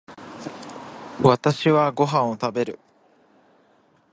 私はご飯を食べる。